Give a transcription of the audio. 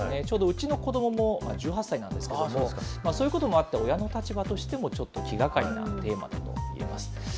ちょうどうちの子どもも１８歳なんですけれども、そういうこともあって、親の立場としても、ちょっと気がかりなテーマだといえます。